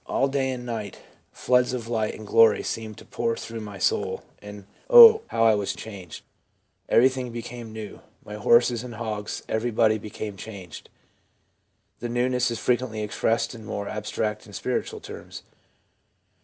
'All day and night floods of light and glory seemed to pour through my soul, and O, how I was changed ! Everything became new. My horses and hogs and everybody became changed.' The newness is frequently expressed in more abstract and spiritual terms.